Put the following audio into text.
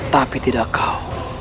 tapi tidak kau